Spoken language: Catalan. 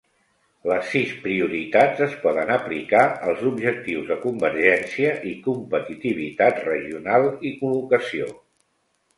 Les sis prioritats es poden aplicar als objectius de convergència, i competitivitat regional i col·locació.